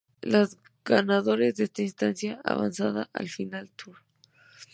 Los ganadores de esta instancia avanzan al "final four".